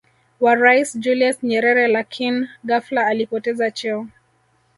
wa Rais Julius Nyerere lakin ghafla alipoteza cheo